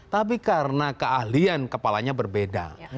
tapi karena keahlian kepalanya berbeda